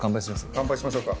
乾杯しましょうか。